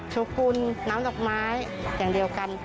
โชกุลน้ำดอกไม้อย่างเดียวกัน